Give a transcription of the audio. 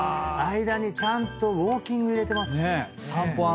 間にちゃんとウオーキング入れてます。